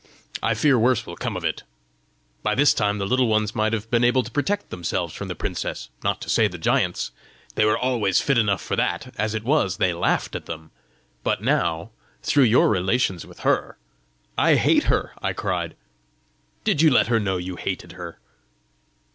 I fear worse will come of it! By this time the Little Ones might have been able to protect themselves from the princess, not to say the giants they were always fit enough for that; as it was they laughed at them! but now, through your relations with her, " "I hate her!" I cried. "Did you let her know you hated her?"